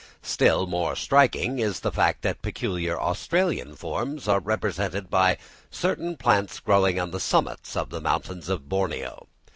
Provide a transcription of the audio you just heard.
Still more striking is the fact that peculiar Australian forms are represented by certain plants growing on the summits of the mountains of Borneo.